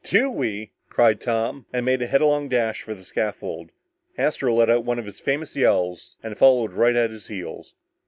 "Do we!" cried Tom, and made a headlong dash for the scaffold. Astro let out one of his famous yells and followed right at his heels.